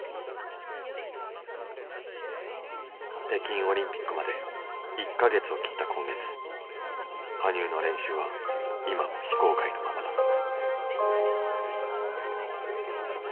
北京オリンピックまで１か月を切った今月羽生の練習は今も非公開のままだ。